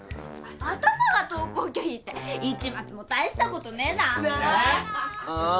アタマが登校拒否って市松も大したことねえな。なぁ！